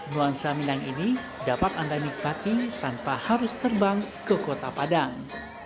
nuansa minang ini dapat anda nikmati tanpa harus terbang ke kota padang